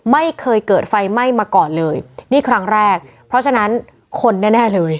ไม่เคยเกิดไฟไหม้มาก่อนเลยนี่ครั้งแรกเพราะฉะนั้นคนแน่แน่เลย